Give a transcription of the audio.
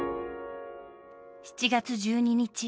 ７月１２日